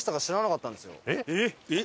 えっ！